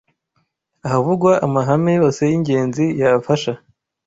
ahavugwa amahame yose y’ingenzi yafasha